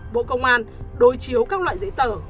bộ công an đối chiếu các loại giấy tờ